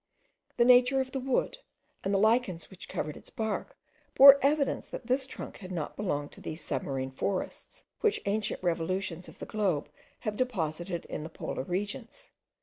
The nature of the wood, and the lichens which covered its bark, bore evidence that this trunk had not belonged to these submarine forests which ancient revolutions of the globe have deposited in the polar regions.